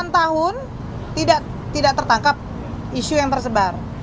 delapan tahun tidak tertangkap isu yang tersebar